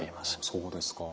そうですか。